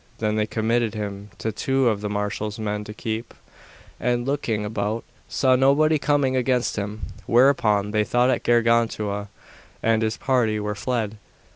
Then they committed him to two of the marshal's men to keep, and, looking about, saw nobody coming against them, whereupon they thought that Gargantua and his party were fled.